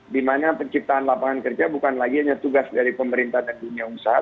dimana penciptaan lapangan kerja bukan lagi hanya tugas dari pemerintah dan dunia usaha